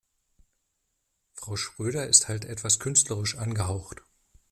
Frau Schröder ist halt etwas künstlerisch angehaucht.